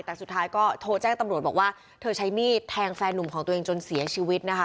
แต่สุดท้ายก็โทรแจ้งตำรวจบอกว่าเธอใช้มีดแทงแฟนนุ่มของตัวเองจนเสียชีวิตนะคะ